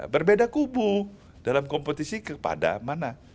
berbeda kubu dalam kompetisi kepada mana